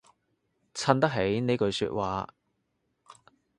襯得起呢句說話